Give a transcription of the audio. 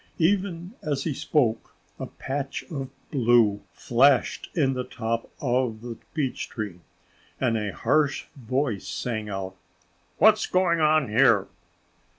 Even as he spoke a patch of blue flashed in the top of the beech tree. And a harsh voice sang out, "What's going on here?"